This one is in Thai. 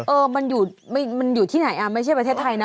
เออมันอยู่ที่ไหนไม่ใช่ประเทศไทยนะ